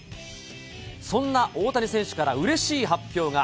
そんな大谷選手からうれしい発表が。